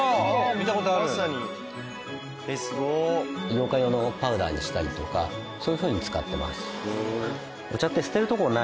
ようかん用のパウダーにしたりとかそういうふうに使ってます。